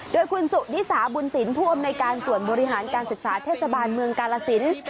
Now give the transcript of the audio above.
โดยคุณสุนิสาบุญศรีภูมิในการส่วนบริหารการศิษฐ์เทศบาลเมืองกาลสินทร์